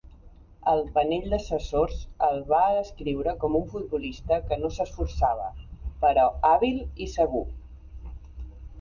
El panell d'assessors el va descriure com un futbolista que no s'esforçava, però hàbil i segur.